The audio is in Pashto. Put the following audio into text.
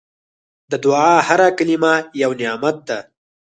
د دعا هره کلمه یو نعمت ده.